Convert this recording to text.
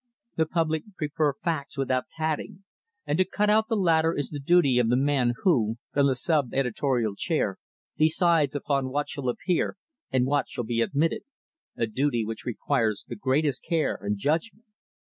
The public prefer facts without "padding," and to cut out the latter is the duty of the man who, from the sub editorial chair, decides upon what shall appear and what shall be omitted, a duty which requires the greatest care and judgment.